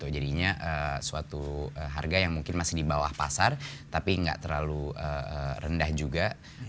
jadinya suatu harga yang mungkin masih di bawah pasar tapi nggak terlalu rendah juga